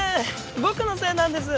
僕のせいなんです。